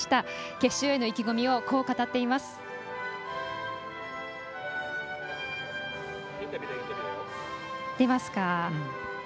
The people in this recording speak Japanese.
決勝での意気込みをこう語っています。